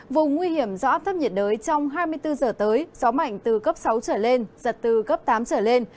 vùng nguy hiểm do áp thấp nhiệt đới trong hai mươi bốn giờ tới gió mạnh từ cấp sáu trở lên giật từ cấp tám trở lên